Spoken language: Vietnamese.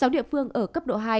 sáu địa phương ở cấp độ hai